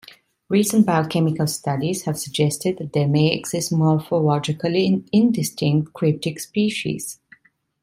Recent biochemical studies have suggested that there may exist morphologically indistinct cryptic species.